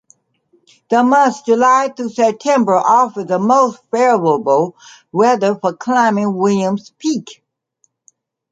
The months July through September offer the most favorable weather for climbing Williams Peak.